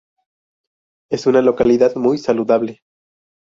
Es una localidad muy saludable.